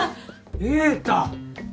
栄太！